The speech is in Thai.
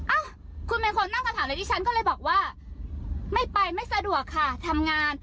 อ่ะคุณเป็นคนนั่งคำถามเลยที่ฉันก็เลยบอกว่าไม่ไปไม่สะดวกค่ะทำงาน